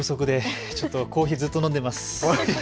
ちょっと、コーヒーずっと飲んでます。